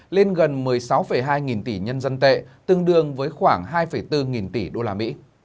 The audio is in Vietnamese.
lên gần một mươi sáu hai nghìn tỷ nhân dân tệ tương đương với khoảng hai bốn nghìn tỷ usd